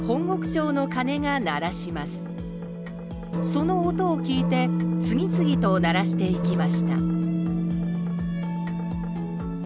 その音を聞いて次々と鳴らしていきました